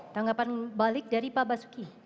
tanggapan balik dari pak basuki